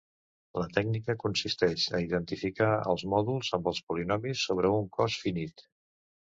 La tècnica consisteix a identificar els mòduls amb els polinomis sobre un cos finit.